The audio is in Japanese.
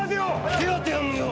手当ては無用。